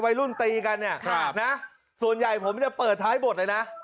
วัยรุ่นตีกันเนี่ยนะส่วนใหญ่ผมจะเปิดท้ายบทเลยนะ